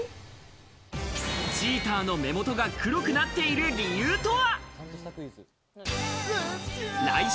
チーターの目元が黒くなっている理由とは？